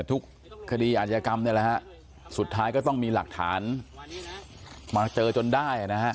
ทุกคดีอาจยกรรมเนี่ยแหละฮะสุดท้ายก็ต้องมีหลักฐานมาเจอจนได้นะฮะ